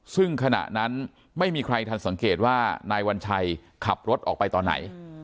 ซึ่งขณะนั้นไม่มีใครทันสังเกตว่านายวัญชัยขับรถออกไปตอนไหน